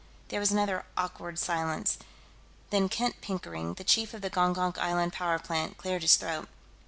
There was another awkward silence. Then Kent Pickering, the chief of the Gongonk Island power plant, cleared his throat.